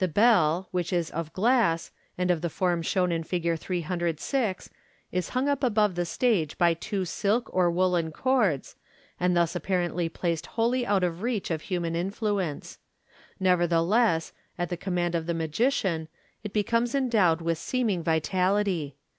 The bell, which is MODERN MAGIC 487 of glass, and of the form shown in Fig 306, is hung up above the stage by two silk or woollen cords, and thus apparently plactd wholly out of the reach of human influence. Nevertheless, at the command of the magician, it becomes endowed with seeming vitality.